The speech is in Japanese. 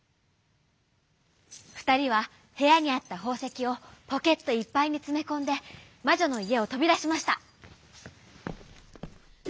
ふたりはへやにあったほうせきをポケットいっぱいにつめこんでまじょのいえをとびだしました。